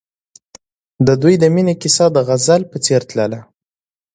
د دوی د مینې کیسه د غزل په څېر تلله.